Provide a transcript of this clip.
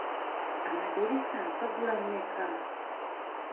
Amadirisa gagula mmeka?